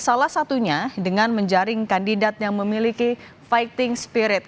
salah satunya dengan menjaring kandidat yang memiliki fighting spirit